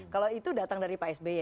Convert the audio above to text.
kalau itu datang dari pak sby